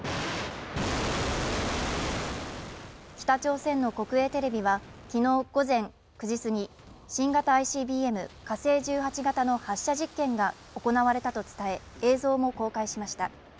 北朝鮮の国営テレビはきのう午前９時すぎ、新型ＩＣＢＭ火星１８型の発射実験が行われたと伝え、映像も公開しました。